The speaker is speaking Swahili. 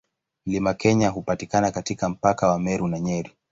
Mlima Kenya hupatikana katika mpaka wa Meru na Nyeri.